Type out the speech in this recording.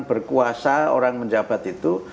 berkuasa orang menjabat itu